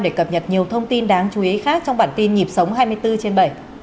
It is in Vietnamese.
để cập nhật nhiều thông tin đáng chú ý khác trong bản tin nhịp sống hai mươi bốn trên bảy